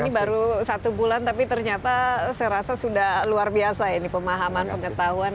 ini baru satu bulan tapi ternyata saya rasa sudah luar biasa ini pemahaman pengetahuan